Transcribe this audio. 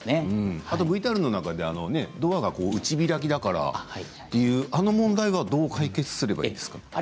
あとＶＴＲの中でドアが内開きだからとあの問題はどう解決すればいいんですか。